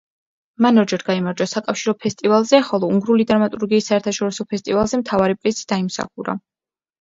მან ორჯერ გაიმარჯვა საკავშირო ფესტივალზე, ხოლო უნგრული დრამატურგიის საერთაშორისო ფესტივალზე მთავარი პრიზი დაიმსახურა.